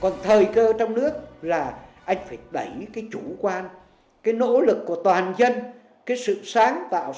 nhưng mà quân đồng minh chưa vào